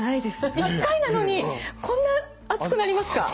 一回なのにこんなあつくなりますか。